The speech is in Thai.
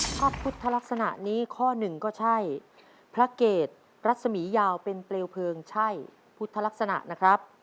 พระพุทธลักษณะนี้ข้อหนึ่งก็ใช่พระเกตรัศมียาวเป็นเปลวเพลิงใช่พุทธลักษณะนะครับ